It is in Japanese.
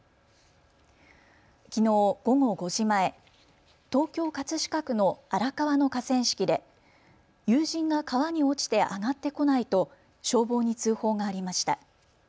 きのう午後５時前、東京葛飾区の荒川の河川敷で友人が川に落ちてあがってこないと消防に通報がありました。